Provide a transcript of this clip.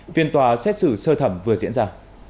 viên tòa xét xử sơ thẩm vừa diễn ra